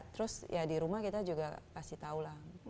terus ya di rumah kita juga kasih tahu lah